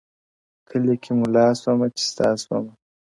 كلي كي ملا سومه ـچي ستا سومه ـ